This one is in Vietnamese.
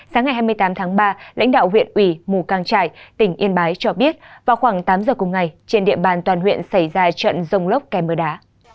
sáng ngày hai mươi tám tháng ba lãnh đạo huyện ủy mù cang trải tỉnh yên bái cho biết vào khoảng tám giờ cùng ngày trên địa bàn toàn huyện xảy ra trận rông lốc kèm mưa đá